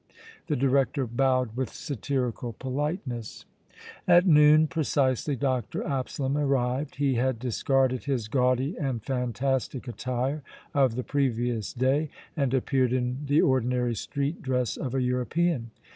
The director bowed with satirical politeness. At noon precisely Dr. Absalom arrived. He had discarded his gaudy and fantastic attire of the previous day and appeared in the ordinary street dress of a European.